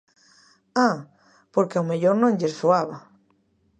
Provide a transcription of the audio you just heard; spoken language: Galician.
¡Ah!, porque ao mellor non lles soaba.